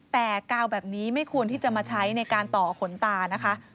แต่กาวแบบนี้ไม่ควรที่จะมาใช้ในการต่อขนตานะคะ